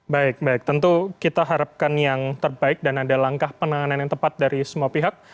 baik baik tentu kita harapkan yang terbaik dan ada langkah penanganan yang tepat dari semua pihak